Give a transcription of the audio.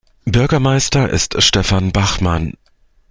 Bürgermeister ist Stefan Bachmann.